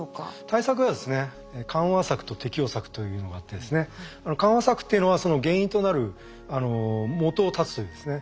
対策はですね緩和策と適応策というのがあってですね緩和策っていうのはその原因となるもとを断つというですね